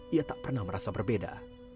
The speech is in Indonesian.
ia tak pernah merasa berbeda